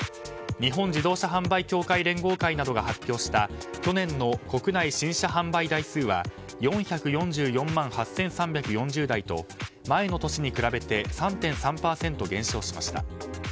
日本自動車販売協会連合会などが発表した去年の国内新車販売台数は４４４万８３４０台と前の年に比べて３．３％減少しました。